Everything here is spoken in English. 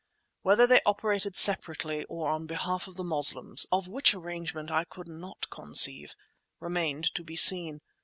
Whether they operated separately or on behalf of the Moslems (of which arrangement I could not conceive) remained to be seen.